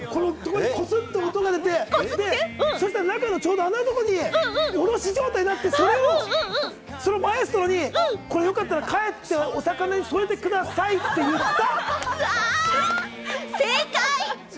こすって音が出て、中のちょうど穴のところにおろし状態になって、マエストロに、これよかったら帰ってお魚に添えてくださいって言った。